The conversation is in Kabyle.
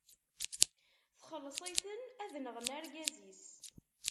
Txelleṣ-iten ad nɣen argaz-is.